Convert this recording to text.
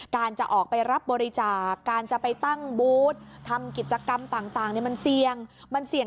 การจะออกไปรับบริจาคการจะไปตั้งบูธทำกิจกรรมต่างมันเสี่ยงมันเสี่ยง